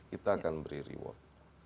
kita akan beri reward